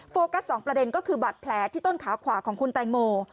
โฟกัส๒ประเด็นก็คือบาดแผลที่ต้นขาขวาของคุณแตงโม